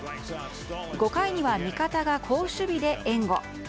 ５回には味方が好守備で援護。